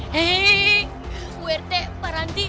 hei urt pak ranti